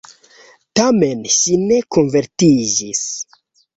Tamen ŝi ne konvertiĝis.